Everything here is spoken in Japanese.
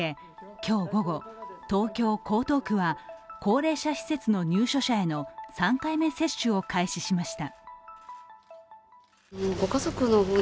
今日午後、東京・江東区は高齢者施設の入所者への３回目接種を開始しました。